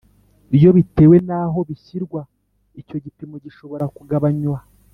iyo bitewe n'aho bishyirwa icyo gipimo gishobora kugabanywa